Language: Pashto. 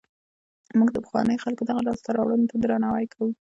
موږ د پخوانیو خلکو دغو لاسته راوړنو ته درناوی کوو.